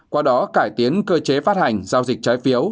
qua đó cải tiến cơ chế phát hành giao dịch trái phiếu